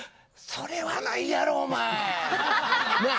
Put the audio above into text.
それはないやろおまえ。